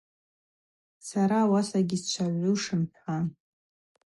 Сара ауаса йгьсчвагъвушым – хӏва.